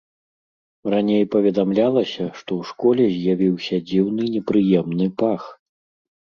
Раней паведамлялася, што ў школе з'явіўся дзіўны непрыемны пах.